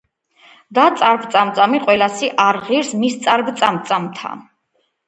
და წარბ-წამწამი ყველასი არ ღირს მის წარბ-წამწამათა